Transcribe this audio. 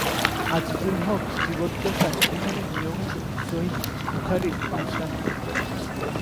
আজিজুল হক জীবদ্দশায় এখানে নিয়মিত "সহীহ বুখারীর" পাঠদান করতেন।